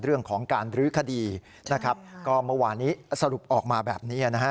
เรื่องของการรื้อคดีนะครับก็เมื่อวานี้สรุปออกมาแบบนี้นะฮะ